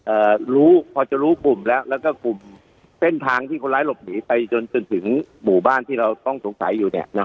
รู้พอจะรู้กลุ่มแล้วแล้วก็กลุ่มเส้นทางที่คนร้ายหลบหนีไปจนจนถึงหมู่บ้านที่เราต้องสงสัยอยู่เนี่ยนะ